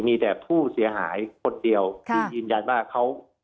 มีแต่ผู้เสียหายคนเดียวที่ยืนยันว่าเขา